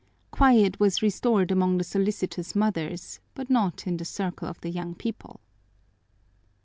Quiet was restored among the solicitous mothers but not in the circle of the young people.